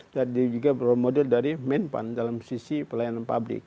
dan juga role model dari medpan dalam sisi pelayanan publik